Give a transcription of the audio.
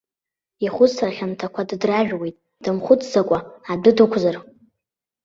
Ихәыцра хьанҭақәа дыдражәуеит, дымхәыцӡакәа адәы дықәзар.